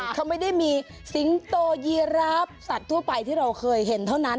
เขาไม่ได้มีสิงโตยีราฟสัตว์ทั่วไปที่เราเคยเห็นเท่านั้น